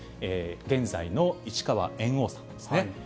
現在の市川猿翁さんですね。